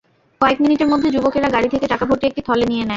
কয়েক মিনিটের মধ্যে যুবকেরা গাড়ি থেকে টাকাভর্তি একটি থলে নিয়ে নেয়।